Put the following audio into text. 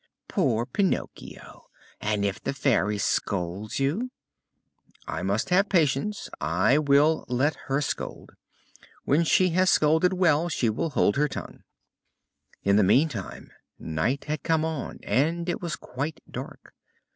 "Poor Pinocchio! And if the Fairy scolds you?" "I must have patience! I will let her scold. When she has scolded well she will hold her tongue." In the meantime night had come on and it was quite dark.